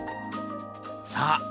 さあ！